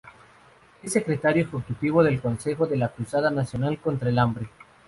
Es secretario Ejecutivo del Consejo de la Cruzada Nacional contra el Hambre.